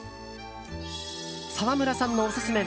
沢村さんのオススメ